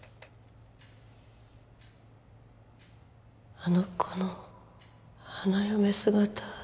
あの子の花嫁姿